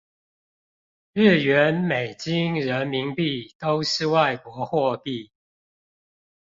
日圓美金人民幣都是外國貨幣